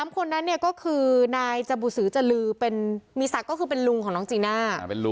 คนนั้นเนี่ยก็คือนายจบุษือจรือมีศักดิ์ก็คือเป็นลุงของน้องจีน่า